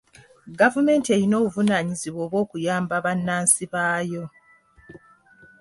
Gavumenti erina obuvunaanyizibwa obw'okuyamba bannansi baayo.